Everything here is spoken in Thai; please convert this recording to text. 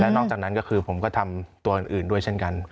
นอกจากนั้นก็คือผมก็ทำตัวอื่นด้วยเช่นกัน